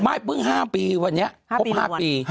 เพิ่ง๕ปีวันนี้ครบ๕ปี